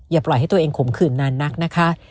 อย่าปล่อยให้ตัวเองขมขื่นนานนักนะคะ